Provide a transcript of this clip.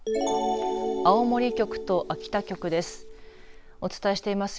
青森局と秋田局です。